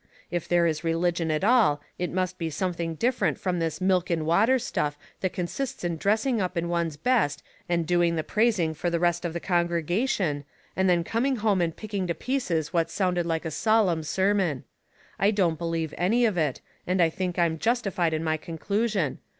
If there is religion at all, it must be something different from this milk and water stuff, that consists in dressing up in one's best and doing the praising for the rest of the con gregation, and then coming home and picking to pieces what sounded like a^ solemn sermon. I don't believe in any of it, and I think Tm justified in my conclusion.